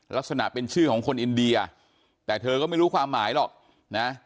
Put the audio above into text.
ลักษณะเป็นชื่อของคนอินเดียแต่เธอก็ไม่รู้ความหมายหรอกนะ